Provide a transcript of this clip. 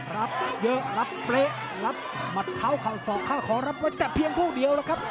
รับเยอะรับเป๊ะรับหมัดเท้าเข่าศอกค่าของรับไว้แต่เพียงผู้เดียวแล้วครับ